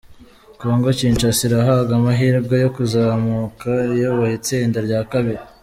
Congo Kinshasa irahabwa amahirwe yo kuzamuka iyoboye itsinda rya kabiri.